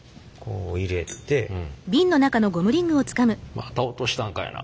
「また落としたんかいな」